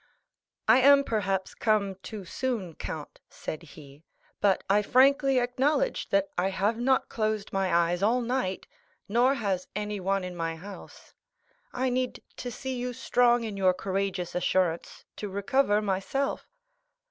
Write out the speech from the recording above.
"I am perhaps come too soon, count," said he, "but I frankly acknowledge that I have not closed my eyes all night, nor has anyone in my house. I need to see you strong in your courageous assurance, to recover myself."